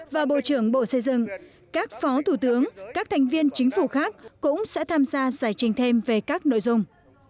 và bộ trưởng bộ xây dựng các phó thủ tướng các thành viên chính phủ khác cũng sẽ tham gia giải trình thêm về các nội dung